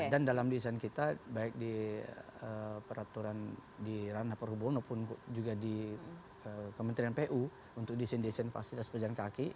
dan dalam desain kita baik di peraturan di ranah perhubungan maupun juga di kementerian pu untuk desain desain fasilitas pejalan kaki